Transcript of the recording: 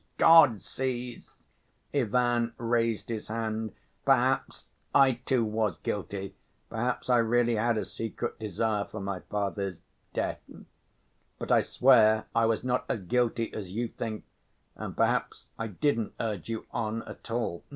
God sees," Ivan raised his hand, "perhaps I, too, was guilty; perhaps I really had a secret desire for my father's ... death, but I swear I was not as guilty as you think, and perhaps I didn't urge you on at all.